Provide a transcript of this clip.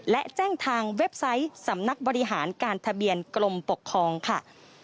และแจ้งทางเว็บไซต์สำนักบริหารการทะเบียนกรมปกครองค่ะ